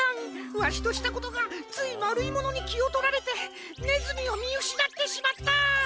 わしとしたことがついまるいものにきをとられてねずみをみうしなってしまった！